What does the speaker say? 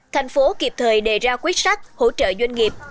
thành phố kịp thời đề ra quyết sách hỗ trợ doanh nghiệp